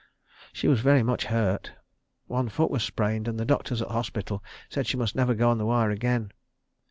She was very much hurt. One foot was sprained, and the doctors at the hospital said she must never go on the wire again.